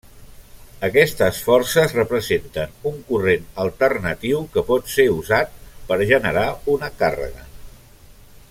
Aquestes forces representen un corrent alternatiu que pot ser usat per generar una càrrega.